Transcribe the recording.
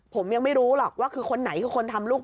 ผมยังไม่รู้หรอกว่าคือคนไหนคือคนทำลูก